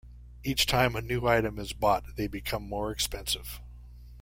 Each time a new item is bought, they become more expensive.